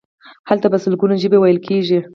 هلته په سلګونو ژبې ویل کیږي.